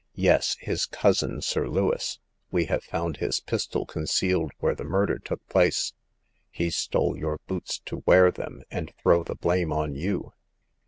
" Yes, his cousin. Sir Lewis. We have found his pistol concealed where the murder took place ; he stole your boots to wear them, and throw the blame on you.